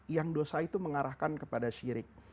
yang dosa itu mengarahkan kepada syirik